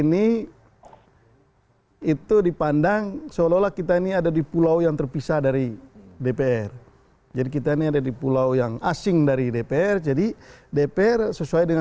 kita akan tanyakan ke bang sebastian salang kok sepertinya